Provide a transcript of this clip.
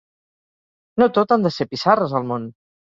No tot han de ser pissarres al món.